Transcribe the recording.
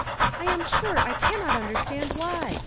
"I am sure I cannot understand wliy.